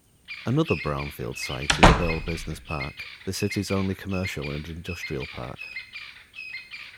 Another brownfield site is Burle Business Park, the City's only commercial and industrial park.